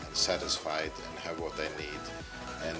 dan menyenangkan dan memiliki apa yang mereka butuhkan